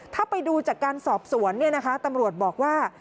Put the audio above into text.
ถ้าไปดูจากการสอบสวนเนี่ยนะคะตำรวจบอกว่า